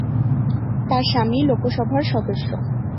তার স্বামী লোকসভার সদস্য।